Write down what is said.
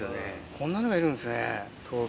こんなのがいるんですね。